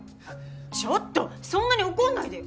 ちょっとそんなに怒んないでよ！